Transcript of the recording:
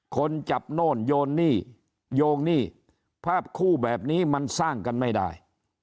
คนจับโน่นโยนหนี้โยงหนี้ภาพคู่แบบนี้มันสร้างกันไม่ได้